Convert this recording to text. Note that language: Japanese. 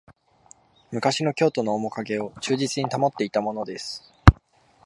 昔の京都のおもかげを忠実に保っていたものです